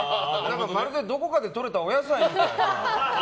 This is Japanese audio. まるで、どこかでとれたお野菜みたいな。